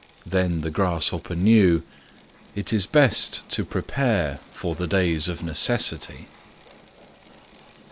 Then the Grasshopper knew IT IS BEST TO PREPARE FOR THE DAYS OF NECESSITY.